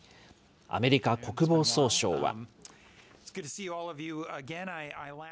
アメリカ国防総省は。